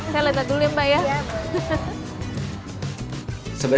saya lihat dulu ya mbak ya